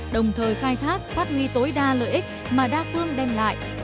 đồng thời khai thác phát huy tối đa lợi ích mà đa phương đem lại